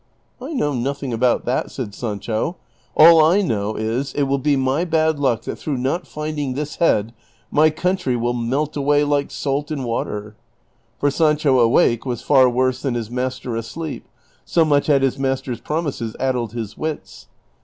" I know nothing about that," said Sancho; '' all I know is it will be my bad luck that through not finding this head my coun try will melt away like salt in water;" — for Sancho awake was far worse than his master asleep, so much had his master's l)romises addled his wits.